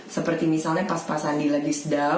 seperti misalnya pas pak sandi lebih